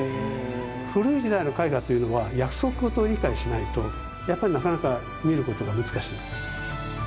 古い時代の絵画というのは約束事を理解しないとやっぱりなかなか見ることが難しい。